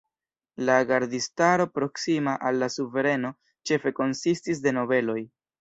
La gardistaro proksima al la suvereno ĉefe konsistis de nobeloj.